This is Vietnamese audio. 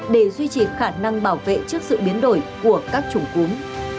để duy trì khả năng bảo vệ trước sự biến đổi của các chủng cúm